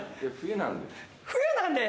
冬なんで？